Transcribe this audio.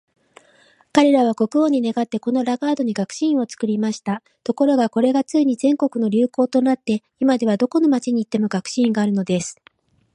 彼等は国王に願って、このラガードに学士院を作りました。ところが、これがついに全国の流行となって、今では、どこの町に行っても学士院があるのです。